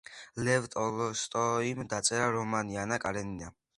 ლევ ტოლსტოიმ დაწერა რომანი ანა კარენინა